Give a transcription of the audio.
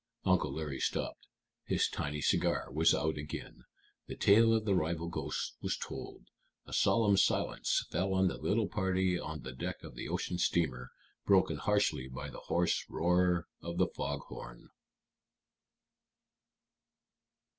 Uncle Larry stopped. His tiny cigar was out again. The tale of the rival ghosts was told. A solemn silence fell on the little party on the deck of the ocean steamer, broken harshly by the hoarse roar of the fog horn.